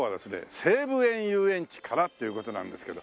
西武園ゆうえんちからという事なんですけど。